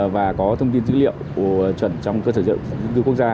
và có thông tin dữ liệu chuẩn trong cơ sở dữ liệu dân cư quốc gia